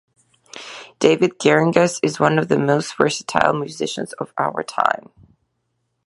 David Geringas is one of the most versatile musicians of our time.